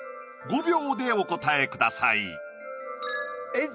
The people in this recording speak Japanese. ５秒でお答えくださいえっ？